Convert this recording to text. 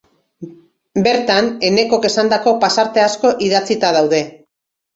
Bertan, Enekok esandako pasarte asko idatzita daude.